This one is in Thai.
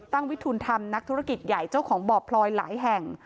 วิทุนธรรมนักธุรกิจใหญ่เจ้าของบ่อพลอยหลายแห่ง